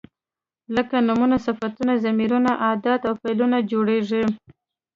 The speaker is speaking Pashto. لکه نومونه، صفتونه، ضمیرونه، ادات او فعلونه جوړیږي.